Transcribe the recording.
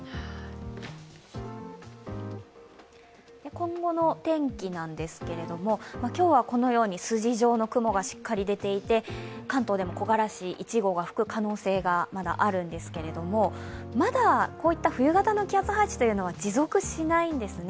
今後の天気なんですが、今日は筋状の雲がしっかり出ていて関東でも木枯らし１号が吹く可能性がまだあるんですけれども、まだ冬型の気圧配置というのは持続しないんですね。